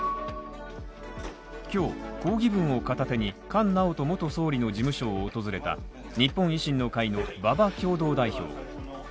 今日、抗議文を片手に菅直人元総理の事務所を訪れた日本維新の会の馬場共同代表。